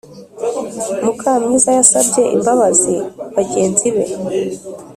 mukamwiza yasabye imbabazi bagenzibe